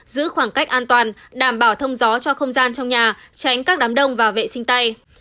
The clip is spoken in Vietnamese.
giữ khoảng cách an toàn đảm bảo thông gió cho không gian trong nhà tránh các đám đông và vệ sinh tay